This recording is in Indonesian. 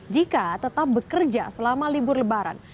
jika tetap bekerja selama libur lebaran